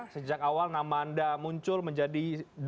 sejak awal nama anda muncul menjadi